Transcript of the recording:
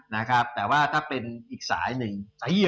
นะครับแต่ว่าถ้าเป็นอีกสายหนึ่ง